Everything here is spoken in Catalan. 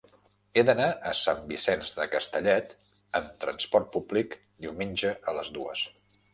He d'anar a Sant Vicenç de Castellet amb trasport públic diumenge a les dues.